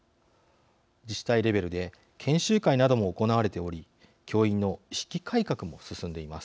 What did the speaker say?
自治体レベルで研修会なども行われており教員の意識改革も進んでいます。